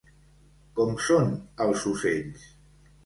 Com són els ocells?